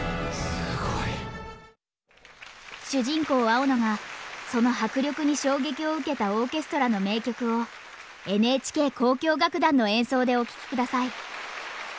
すごい！主人公・青野がその迫力に衝撃を受けたオーケストラの名曲をＮＨＫ交響楽団の演奏でお聴き下さい。